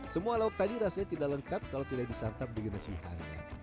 semua alat tadi rasanya tidak lengkap kalau tidak di santam dengan air hangat